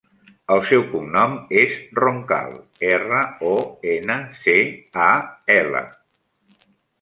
El seu cognom és Roncal: erra, o, ena, ce, a, ela.